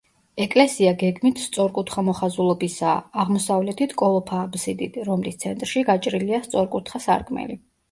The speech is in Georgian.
ეკლესია გეგმით სწორკუთხა მოხაზულობისაა, აღმოსავლეთით კოლოფა აბსიდით, რომლის ცენტრში გაჭრილია სწორკუთხა სარკმელი.